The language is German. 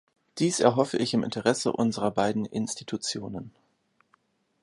Dies erhoffe ich im Interesse unserer beiden Institutionen.